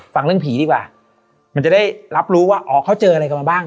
ฟังเรื่องผีดีกว่ามันจะได้รับรู้ว่าอ๋อเขาเจออะไรกันมาบ้าง